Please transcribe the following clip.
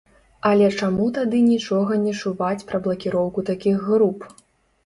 Але чаму тады нічога не чуваць пра блакіроўку такіх груп?